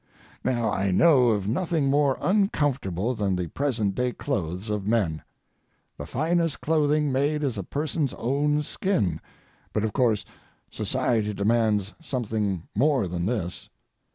Now I know of nothing more uncomfortable than the present day clothes of men. The finest clothing made is a person's own skin, but, of course, society demands something more than this.